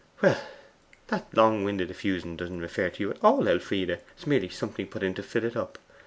Well, that long winded effusion doesn't refer to you at all, Elfride, merely something put in to fill up.